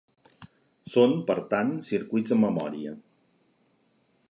Són, per tant, circuits amb memòria.